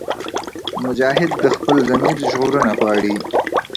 مجاهد د خپل ضمیر ژغورنه غواړي.